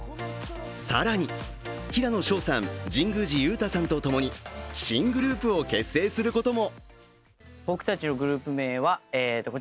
更に、平野紫耀さん、神宮寺勇太さんとともに新グループを結成することも。